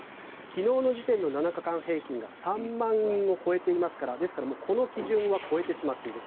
昨日の時点の７日間平均が３万人を超えていますからですからこの基準は超えてしまっている。